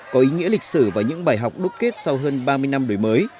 có ý nghĩa lịch sử và những bài học đúc kết sau hơn ba mươi năm đổi mới